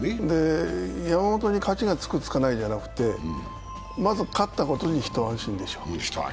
山本に勝ちがつく、つかないじゃなくて、まず勝ったことにひと安心でしょう。